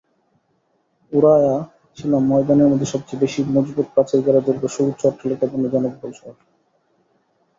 উরায়হা ছিল ময়দানের মধ্যে সবচেয়ে বেশি মজবুত প্রাচীরঘেরা দুর্গ, সুউচ্চ অট্টালিকাপূর্ণ জনবহুল শহর।